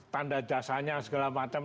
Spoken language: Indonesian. tanda jasanya segala macam